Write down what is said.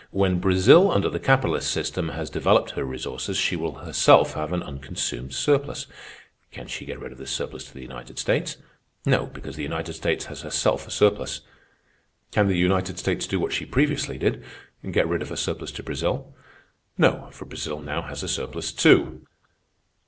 When Brazil, under the capitalist system, has developed her resources, she will herself have an unconsumed surplus. Can she get rid of this surplus to the United States? No, because the United States has herself a surplus. Can the United States do what she previously did—get rid of her surplus to Brazil? No, for Brazil now has a surplus, too.